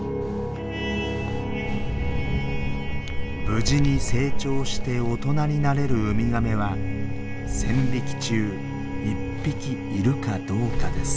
無事に成長して大人になれるウミガメは１，０００匹中１匹いるかどうかです。